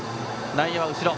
内野は後ろ。